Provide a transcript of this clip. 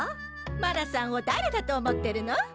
マナさんをだれだと思ってるの？